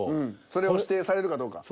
それを指定されるかどうか。